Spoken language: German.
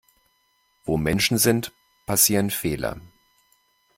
Wo Menschen sind, passieren Fehler.